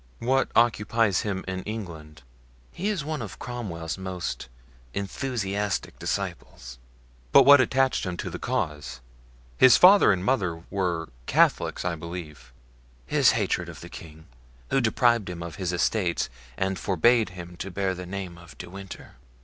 "What occupies him in England?" "He is one of Cromwell's most enthusiastic disciples." "But what attached him to the cause? His father and mother were Catholics, I believe?" "His hatred of the king, who deprived him of his estates and forbade him to bear the name of De Winter."